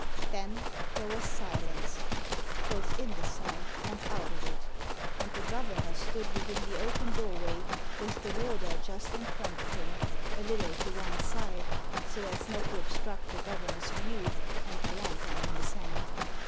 Then there was silence, both in the cell and out of it; and the governor stood within the open doorway, with the warder just in front of him, a little to one side, so as not to obstruct the governor's view, and the lantern in his hand.